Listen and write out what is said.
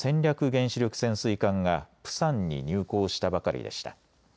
原子力潜水艦がプサンに入港したばかりでした。